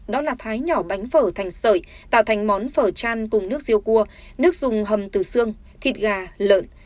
đó là thái nhỏ bánh phở thành sợi tạo thành món phở chan cùng nước riêu cua nước dùng hầm từ xương thịt gà lợn